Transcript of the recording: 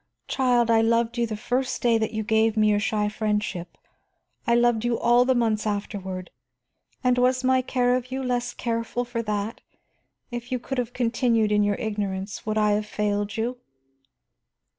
Child, I loved you the first day that you gave me your shy friendship, I loved you all the months afterward, and was my care of you less careful for that? If you could have continued in your ignorance, would I have failed you?"